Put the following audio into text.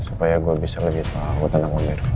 supaya gue bisa lebih tahu tentang om irfan